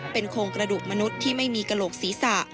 เป็นโครงกระดูกมนุษย์ที่ไม่มีกระโหลกศีรษะ